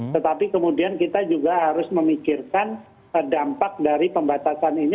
tetapi kemudian kita juga harus memikirkan dampak dari pembatasan ini